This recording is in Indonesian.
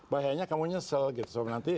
bahayanya kamu nyesel gitu nanti